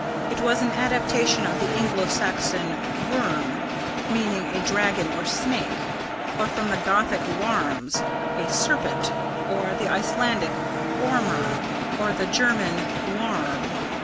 It was an adaptation of the Anglo Saxon 'wyrm,' meaning a dragon or snake; or from the Gothic 'waurms,' a serpent; or the Icelandic 'ormur,' or the German 'wurm.'